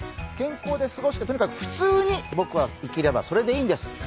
健康で過ごしてとにかく普通に僕は生きれば、それでいいんです。